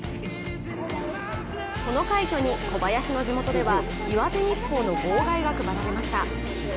この快挙に小林の地元では「岩手日報」の号外が配られました。